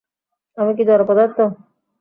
আমি কি জড়পদার্থ।